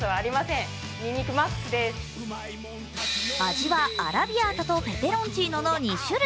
味はアラビアータとペペロンチーノの２種類。